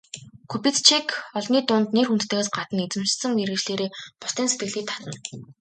Кубицчек олны дунд нэр хүндтэйгээс гадна эзэмшсэн мэргэжлээрээ бусдын сэтгэлийг татна.